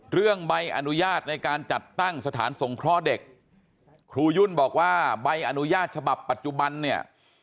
ใบอนุญาตในการจัดตั้งสถานสงเคราะห์เด็กครูยุ่นบอกว่าใบอนุญาตฉบับปัจจุบันเนี่ย